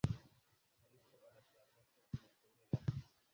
ariko arashaka ko amukenera